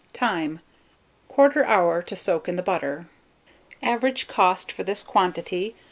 Time. 1/4 hour to soak in the butter. Average cost for this quantity, 1s.